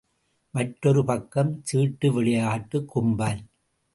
மற்றொரு பக்கம் சீட்டு விளையாட்டுக் கும்பல்.